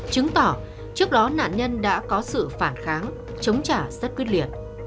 chứng tỏ trước đó nạn nhân đã có sự phản kháng chống trả rất quyết liệt